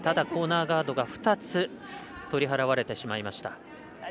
コーナーガードが２つ取り払われてしまいました。